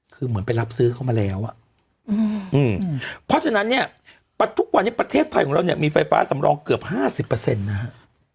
คือเหมือนไปรับซื้อเข้ามาแล้วเพราะฉะนั้นเนี่ยทุกวันนี้ประเทศไทยของเรามีไฟฟ้าสำรองเกือบ๕๐เปอร์เซ็นต์นะครับ